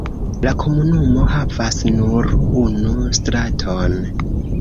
La komunumo havas nur unu straton.